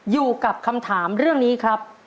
อยู่กับคำถามเรื่องนี้ครับ